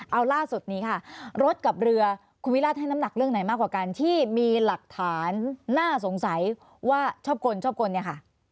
เอาล่าสุดนี้ค่ะรถกับเรือคุณวิรัติให้น้ำหนักเรื่องไหนมากกว่ากันที่มีหลักฐานน่าสงสัยว่าชอบกลชอบกลเนี่ยค่ะ